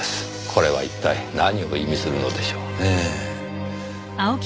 これは一体何を意味するのでしょうね？